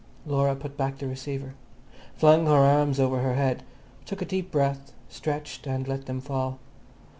Laura put back the receiver, flung her arms over her head, took a deep breath, stretched and let them fall.